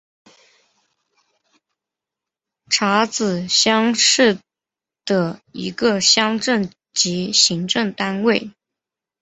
查孜乡是的一个乡镇级行政单位。